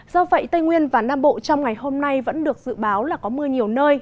do vậy tây nguyên và nam bộ trong ngày hôm nay vẫn được dự báo là có mưa nhiều nơi